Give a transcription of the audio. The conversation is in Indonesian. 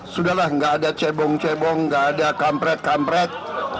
sudahlah gak ada cepung cepung gak ada kampret kampret